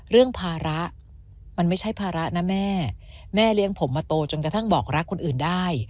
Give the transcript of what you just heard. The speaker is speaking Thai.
ภาระมันไม่ใช่ภาระนะแม่แม่เลี้ยงผมมาโตจนกระทั่งบอกรักคนอื่นได้